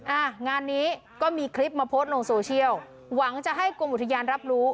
อ่ะงานนี้ก็มีคลิปมาโพสต์ลงโซเชียลหวังจะให้กรมอุทยานรับรู้